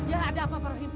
ya ada apa pak rahim